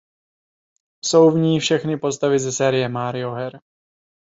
Jsou v ní všechny postavy ze série Mario her.